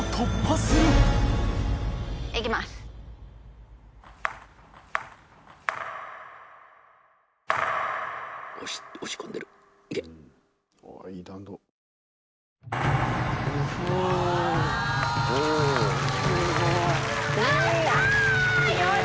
すごい。